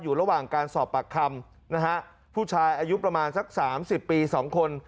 อยู่ระหว่างการสอบปากคำนะฮะผู้ชายอายุประมาณสักสามสิบปีสองคน